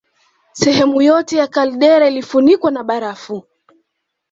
Sehemu yote ya kaldera ilifunikwa na barafu